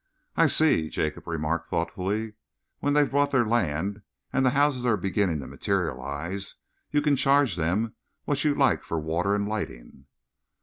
"I see," Jacob remarked thoughtfully. "When they've bought their land, and the houses are beginning to materialise, you can charge them what you like for the water and lighting."